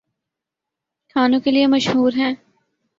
کھانوں کے لیے مشہور ہیں